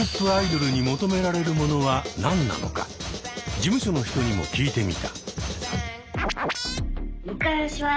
事務所の人にも聞いてみた。